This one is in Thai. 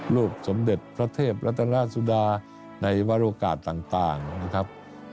สมเด็จพระเทพรัตนาสุดาในวรโอกาสต่างนะครับ